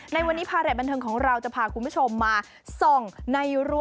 ในวันนี้พาเรทบันเทิงของเราจะพาคุณผู้ชมมาส่องในรั้ว